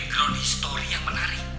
nah background history yang menarik